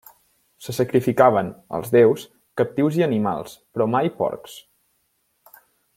Se sacrificaven, als déus, captius i animals, però mai porcs.